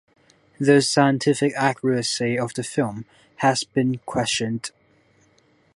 The scientific accuracy of the film has been questioned.